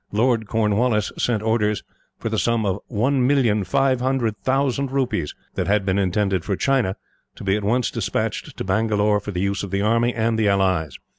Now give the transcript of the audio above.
Lord Cornwallis sent orders for the sum of 1,500,000 rupees, that had been intended for China, to be at once despatched to Bangalore for the use of the army, and the allies.